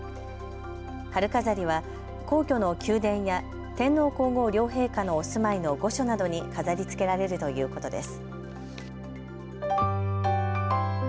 春飾りは皇居の宮殿や天皇皇后両陛下のお住まいの御所などに飾りつけられるということです。